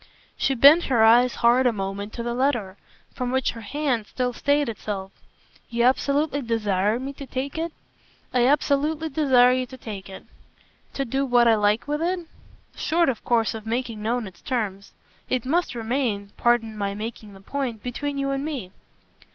She bent her eyes hard a moment to the letter, from which her hand still stayed itself. "You absolutely DESIRE me to take it?" "I absolutely desire you to take it." "To do what I like with it?" "Short of course of making known its terms. It must remain pardon my making the point between you and me."